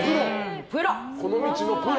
この道のプロ。